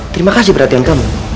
terima kasih perhatian kamu